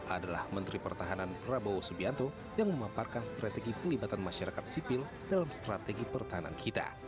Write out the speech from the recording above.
adalah menteri pertahanan prabowo subianto yang memaparkan strategi pelibatan masyarakat sipil dalam strategi pertahanan kita